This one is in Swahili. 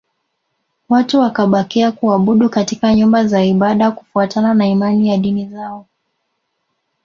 Watu wakabakia kuabudu katika nyumba za ibada kufuatana na imani ya dini zao